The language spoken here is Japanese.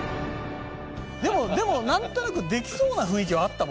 でもでもなんとなくできそうな雰囲気はあったもんね。